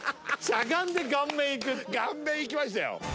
しゃがんで顔面いく顔面いきましたよ